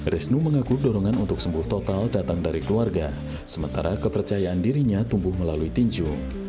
resnu mengaku dorongan untuk sembuh total datang dari keluarga sementara kepercayaan dirinya tumbuh melalui tinju